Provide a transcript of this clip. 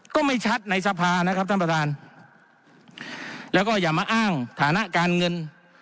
ก็ไม่ชัดในสภานะครับท่านประธานแล้วก็อย่ามาอ้างฐานะการเงิน